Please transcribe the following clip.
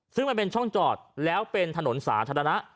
ซึ่งมันเป็นช่องจอดแล้วเป็นถนนสาธารณะ